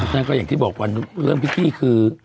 นั่นก็อย่างที่บอกวันเรื่องพี่คือ